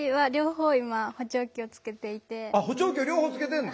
補聴器を両方つけてんの？